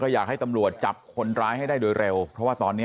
อยากให้ตำรวจจับคนร้ายให้ได้โดยเร็ว